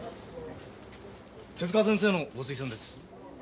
手先生のご推薦です。